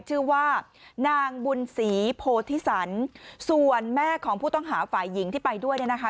ชื่อว่านางบุญศรีโพธิสันส่วนแม่ของผู้ต้องหาฝ่ายหญิงที่ไปด้วยเนี่ยนะคะ